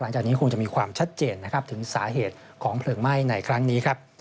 หลังจากนี้คงจะมีความชัดเจนนะครับถึงสาเหตุของเพลิงไหม้ในครั้งนี้ครับ